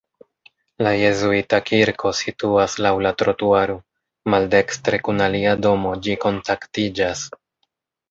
La jezuita kirko situas laŭ la trotuaro, maldekstre kun alia domo ĝi kontaktiĝas.